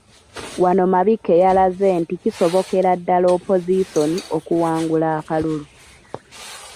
Wano Mabikke yalaze nti kisobokera ddala Opozisoni okuwangula akalulu.